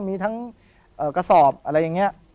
มีทั้งกระสอบอะไรอย่างนี้